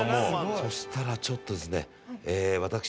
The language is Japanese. そしたらちょっとですね。